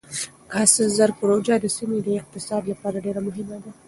کاسا زر پروژه د سیمې د اقتصاد لپاره ډېره مهمه ده.